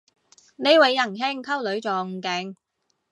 呢位人兄溝女仲勁